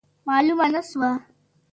معلومه نه سوه.